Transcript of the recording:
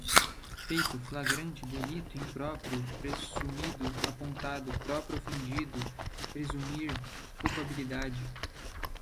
feito, flagrante delito, impróprio, presumido, apontado, próprio ofendido, presumir, culpabilidade